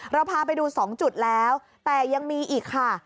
เราพาไปดู๒จุดแล้วแต่ยังมีอีกค่ะ